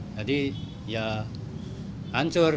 jadi ya hancur